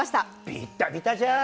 ビッタビタじゃん。